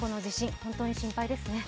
本当に心配ですね。